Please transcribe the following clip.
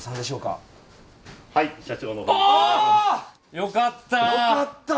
よかった！